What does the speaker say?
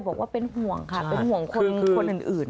บอกว่าเป็นห่วงค่ะเป็นห่วงคนอื่น